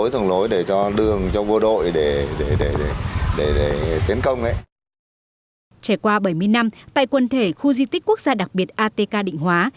trẻ qua bảy mươi năm tại quân thể khu di tích quốc gia đặc biệt atk định hóa